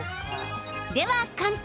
では、簡単！